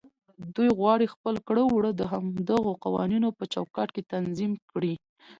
دوی غواړي خپل کړه وړه د همدغو قوانينو په چوکاټ کې تنظيم کړي.